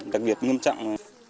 đặc biệt nghiêm trọng